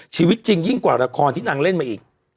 ชีวิตจริงยิ่งกว่าละครที่นางเล่นมาอีก